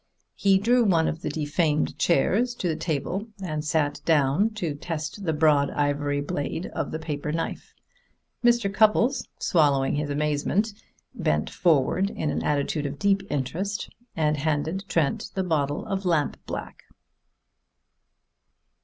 He drew one of the defamed chairs to the table and sat down to test the broad ivory blade of the paper knife. Mr. Cupples, swallowing his amazement, bent forward in an attitude of deep interest and handed Trent the bottle of lamp black.